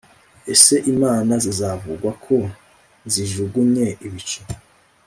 ese imana zizavugwa ko zijugunye ibicu